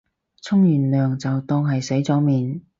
沖完涼就當係洗咗面